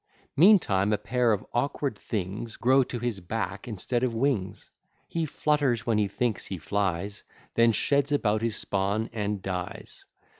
Meantime a pair of awkward things Grow to his back instead of wings; He flutters when he thinks he flies, Then sheds about his spawn and dies.